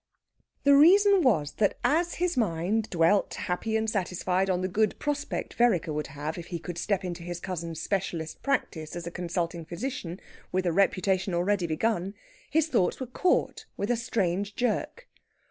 The reason was that as his mind dwelt happy and satisfied on the good prospect Vereker would have if he could step into his cousin's specialist practice as a consulting physician, with a reputation already begun, his thoughts were caught with a strange jerk.